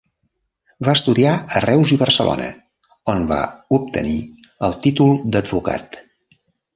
Va estudiar a Reus i Barcelona on va obtenir el títol d'advocat.